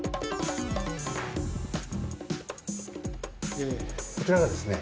でこちらがですね